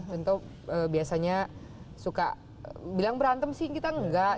contoh biasanya suka bilang berantem sih kita enggak